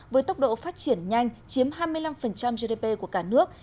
với tốc độ phát triển nhanh chiếm hai mươi năm gdp của cả nước